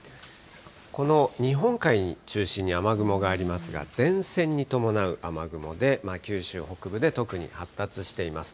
この日本海に中心に雨雲がありますが、前線に伴う雨雲で、九州北部でとくに発達しています。